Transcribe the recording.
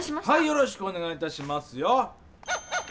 よろしくおねがいいたしますよ。